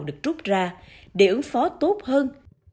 được trút ra để ứng phó tốt hơn